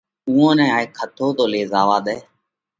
اُوئون نئہ هائي کٿو تو لي زاوا ۮئہ۔